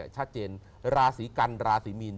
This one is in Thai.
ชัดเจนราศีกันราศีมีน